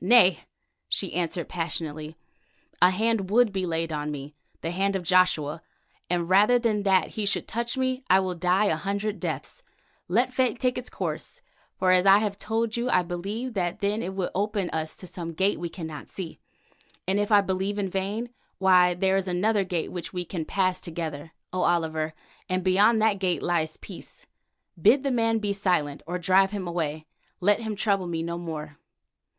"Nay," she answered passionately. "A hand would be laid on me, the hand of Joshua, and rather than that he should touch me I will die a hundred deaths. Let fate take its course, for as I have told you, I believe that then it will open to us some gate we cannot see. And if I believe in vain, why there is another gate which we can pass together, O Oliver, and beyond that gate lies peace. Bid the man be silent, or drive him away. Let him trouble me no more."